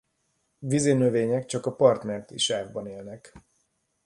Vízinövények csak a part menti sávban élnek.